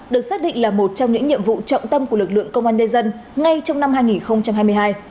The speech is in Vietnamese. được xác định là một trong những nhiệm vụ trọng tâm của lực lượng công an nhân dân ngay trong năm hai nghìn hai mươi hai